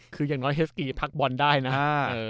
คืออย่างน้อยเฮสกีพักบอลได้นะ